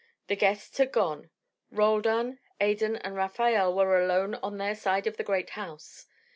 The guests had gone. Roldan, Adan, and Rafael were alone on their side of the great house.